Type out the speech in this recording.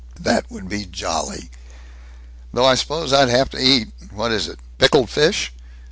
"That would be jolly." "Though I s'pose I'd have to eat what is it? pickled fish?